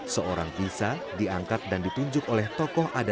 seorang bisa diangkat dan ditunjuk oleh tokoh adat perempuan